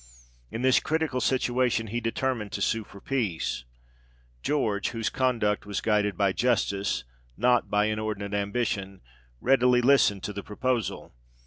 In this critical situation he determined to sue for peace. George, whose conduct was guided by justice, not by in ordinate ambition, readily listened to the proposal.